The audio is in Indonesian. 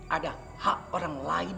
ada hak orang lain